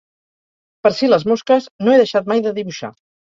Per si les mosques no he deixat mai de dibuixar.